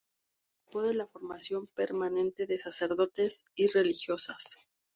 Se preocupó de la formación permanente de sacerdotes y religiosas.